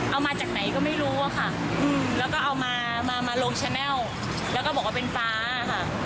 เอามาจากไหนก็ไม่รู้อะค่ะแล้วก็เอามามาลงแชนัลแล้วก็บอกว่าเป็นฟ้าค่ะ